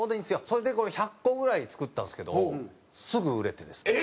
それでこれ１００個ぐらい作ったんですけどすぐ売れてですね。